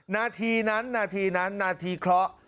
นาทีนั้นนาทีนั้นนาทีเคราะห์